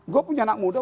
gue punya anak muda